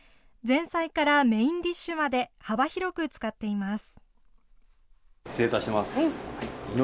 前菜からメインディッシュまで、幅広く使っています。